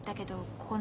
このこの。